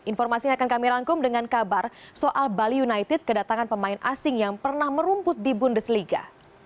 informasinya akan kami rangkum dengan kabar soal bali united kedatangan pemain asing yang pernah merumput di bundesliga